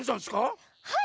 はい！